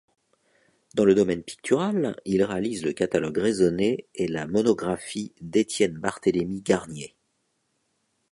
Dans le domaine pictural, il réalise le catalogue raisonné et la monographie d'Étienne-Barthélémy Garnier.